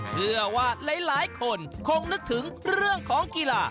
เพื่อว่าหลายคนคงนึกถึงเรื่องของกีฬา